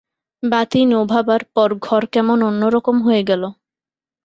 বাতি নোভাবার পর ঘর কেমন অন্য রকম হয়ে গেল।